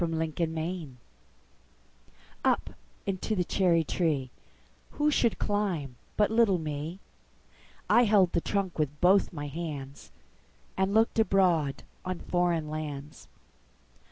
9. Foreign Lands UP into the cherry treeWho should climb but little me?I held the trunk with both my handsAnd looked abroad on foreign lands.